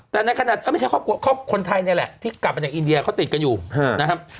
แต่ในขณะไม่ใช่ครอบครัวคนไทยนี่แหละที่กลับมาจากอินเดียเขาติดกันอยู่นะครับ